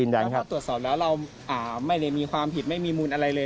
ถ้าตรวจสอบแล้วเราไม่ได้มีความผิดไม่มีมูลอะไรเลย